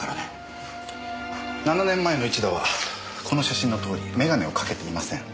７年前の市田はこの写真のとおり眼鏡をかけていません。